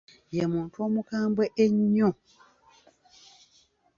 Ye muntu omukambwe ennyo.